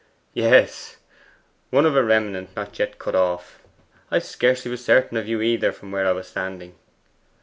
'Yes, one of a remnant not yet cut off. I scarcely was certain of you, either, from where I was standing.